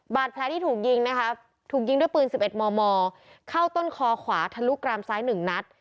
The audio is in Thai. บาดแพ้ที่ถูกยิงได้ปืน๑๑มมเข้าต้นคอขวาทะลุกรามซ้าย๑นัส